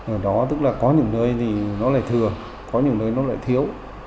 ở đó có những nơi thì nó lại thừa có những nơi nó lại thiếu